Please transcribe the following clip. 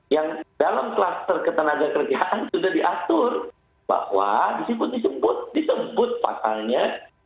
yang dalam kluster ketenagakerjaan sudah diatur bahwa disebut disebut disebut pasalnya